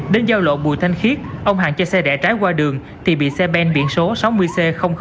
đến giao lộ bùi thanh khiết ông hàng chạy xe đẻ trái qua đường thì bị xe bèn biển số sáu mươi c tám trăm linh